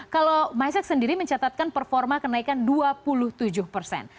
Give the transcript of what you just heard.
kalau mysex sendiri mencatatkan performa kenaikan dua puluh tujuh persen